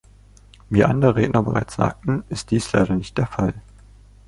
Wie andere Redner bereits sagten, ist dies leider nicht der Fall.